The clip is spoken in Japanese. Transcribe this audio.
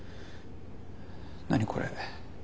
何これ。